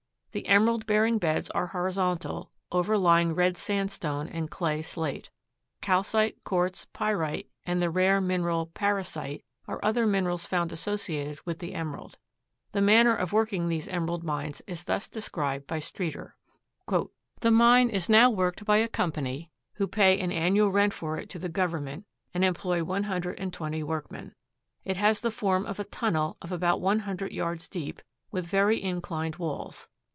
The emerald bearing beds are horizontal, overlying red sandstone and clay slate. Calcite, quartz, pyrite and the rare mineral parisite are other minerals found associated with the emerald. The manner of working these emerald mines is thus described by Streeter: "The mine is now worked by a company, who pay an annual rent for it to the government, and employ one hundred and twenty workmen. It has the form of a tunnel of about one hundred yards deep, with very inclined walls.